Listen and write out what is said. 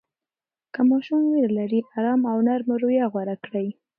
که ماشوم ویره لري، آرام او نرمه رویه غوره کړئ.